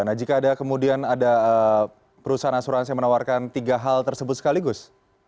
nah jika ada kemudian ada perusahaan asuransi yang menawarkan tiga hal tersebut sekaligus